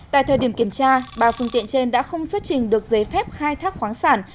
tại thời điểm kiểm tra ba phương tiện trên đã không xuất trình được giấy phép khai thác khoáng sản